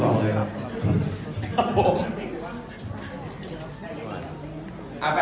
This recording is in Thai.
ปรารภาษา